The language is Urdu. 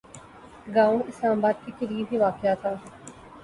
گاؤں اسلام آباد کے قریب ہی واقع تھا